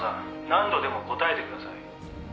何度でも答えてください」